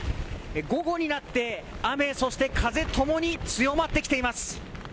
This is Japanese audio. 午後になって雨、そして風ともに強まってきています。